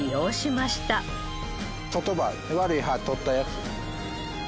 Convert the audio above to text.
外葉悪い葉取ったやつ。